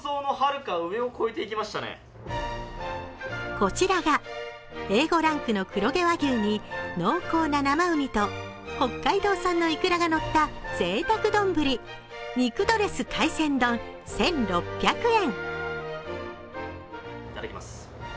こちらがＡ５ランクの黒毛和牛に濃厚な生うにと北海道産のいくらが乗ったぜいたく丼肉ドレス海鮮丼１６００円。